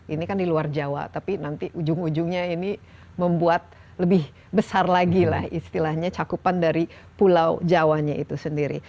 ini kan di luar jawa tapi nanti ujung ujungnya ini membuat lebih besar lagi lah istilahnya cakupan dari pulau jawanya itu sendiri